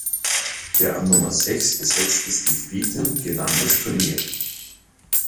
Der an Nummer Sechs gesetzte Steve Beaton gewann das Turnier.